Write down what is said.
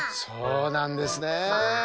そうなんですね！